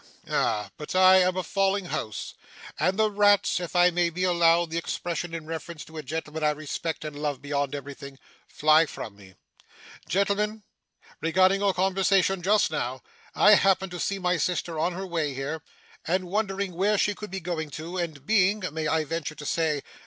Ah! But I am a falling house, and the rats (if I may be allowed the expression in reference to a gentleman I respect and love beyond everything) fly from me! Gentlemen regarding your conversation just now, I happened to see my sister on her way here, and, wondering where she could be going to, and being may I venture to say?